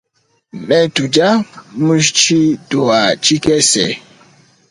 Ne tudia mutshituha tshikese.